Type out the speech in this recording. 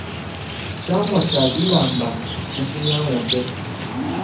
Tshiamua tshia bilamba tshidi tshinyanguke.